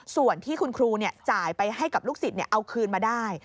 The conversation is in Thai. ส่วนที่คุณครูจ่ายไปให้กับลูกศิษย์เอาคืนมาได้